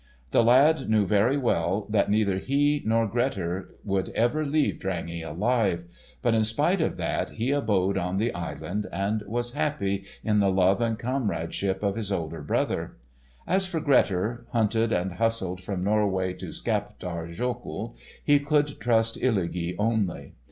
The lad knew very well that neither he nor Grettir would ever leave Drangey alive; but in spite of that he abode on the island, and was happy in the love and comradeship of his older brother. As for Grettir, hunted and hustled from Norway to Skaptar Jokul, he could trust Illugi only.